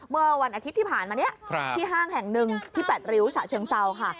เมื่อวันอาทิตย์ที่ผ่านมานี้ที่ห้างแห่งหนึ่งที่๘ริ้วฉะเชิงเซาค่ะ